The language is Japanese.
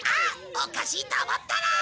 おかしいと思ったら！